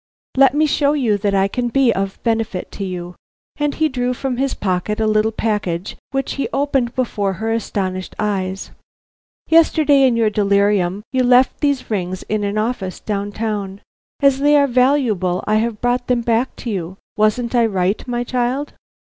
Let me show you that I can be of benefit to you." And he drew from his pocket a little package which he opened before her astonished eyes. "Yesterday, in your delirium, you left these rings in an office down town. As they are valuable, I have brought them back to you. Wasn't I right, my child?"